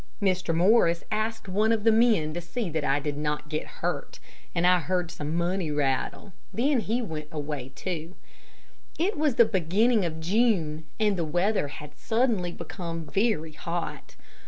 Mr. Morris asked one of the men to see that I did not get hurt, and I heard some money rattle. Then he went away too. It was the beginning of June and the weather had suddenly become very hot.